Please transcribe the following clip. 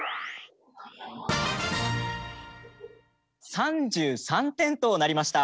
３３点となりました。